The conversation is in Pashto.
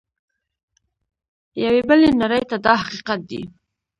یوې بلې نړۍ ته دا حقیقت دی.